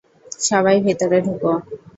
সবাই ভেতরে ঢুকো।